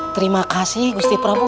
terima kasih gusti prabu